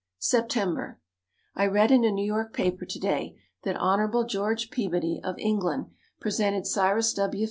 September. I read in a New York paper to day that Hon. George Peabody, of England, presented Cyrus W.